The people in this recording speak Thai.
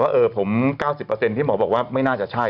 ว่าเออผม๙๐เปอร์เซ็นต์ที่หมอบอกว่าไม่น่าจะใช่